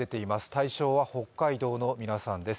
対象は北海道の皆さんです。